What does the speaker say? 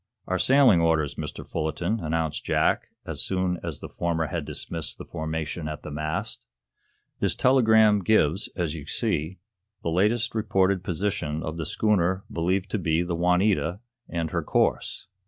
"Our sailing orders, Mr. Fullerton," announced Jack, as soon as the former had dismissed the formation at the mast. "This telegram gives, as you see, the latest reported position of the schooner believed to be the 'Juanita,' and her course.